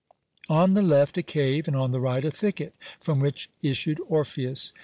On the left a cave, and on the right a thicket, from which issued Orpheus.